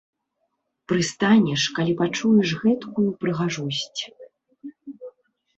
Прыстанеш, калі пачуеш гэткую прыгожасць.